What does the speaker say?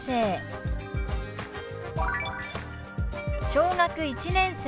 「小学１年生」。